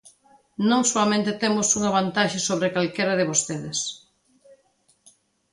Non soamente temos unha vantaxe sobre calquera de vostedes.